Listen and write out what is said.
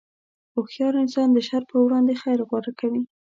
هوښیار انسان د شر پر وړاندې خیر غوره کوي.